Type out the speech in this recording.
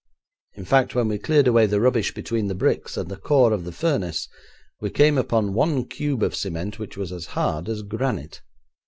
In fact, when we cleared away the rubbish between the bricks and the core of the furnace we came upon one cube of cement which was as hard as granite.